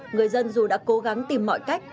người dân dù đã cố gắng tìm mọi cách